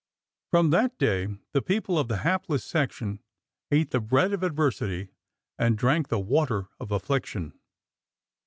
From that day the people of the hapless section ate the bread of adversity and drank the water of affliction.